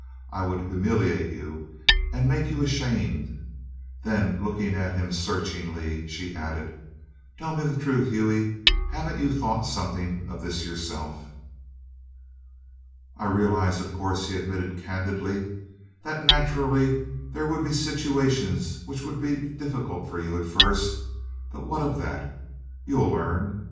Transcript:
I would humiliate you and make you ashamed." Then, looking at him searchingly, she added: "Tell me the truth, Hughie haven't you thought something of this yourself?" "I realize, of course," he admitted candidly, "that naturally there would be situations which would be difficult for you at first; but what of that? You'll learn.